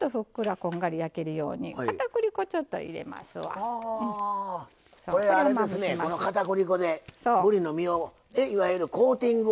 このかたくり粉でぶりの身をいわゆるコーティングを。